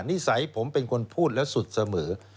นิสัยผมเป็นคนพูดแล้วสุดเสมอ